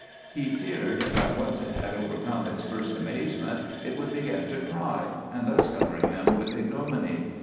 He feared that once it had overcome its first amazement it would begin to cry and thus cover him with ignominy.